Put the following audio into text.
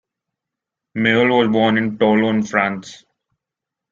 Mayol was born in Toulon, France.